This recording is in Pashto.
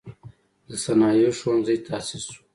د صنایعو ښوونځی تأسیس شو.